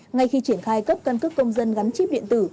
ngay khi triển khai cấp căn cước công dân gắn chip điện tử